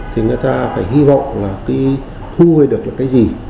thì người ta phải hy vọng là cái thu hồi được là cái gì